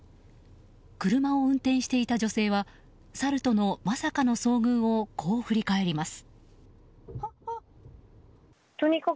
車を運転していた女性はサルとのまさかの遭遇をこう振り返ります。